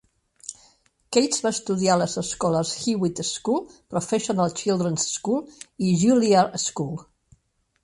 Cates va estudiar a les escoles Hewitt School, Professional Children's School i Juilliard School.